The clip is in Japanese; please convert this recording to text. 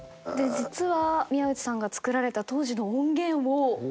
実は宮内さんが作られた当時の音源をお借りしています。